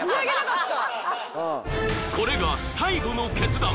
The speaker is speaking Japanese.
［これが最後の決断！